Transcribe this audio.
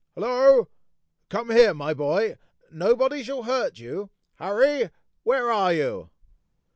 hollo! Come here, my boy! Nobody shall hurt you! Harry! where are you!"